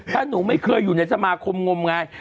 ถ้าหนูไม่เคยอยู่ในสมาคมงมงาย